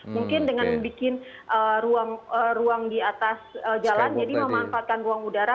mungkin dengan bikin ruang di atas jalan jadi memanfaatkan ruang udara